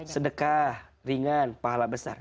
sedekah ringan pahala besar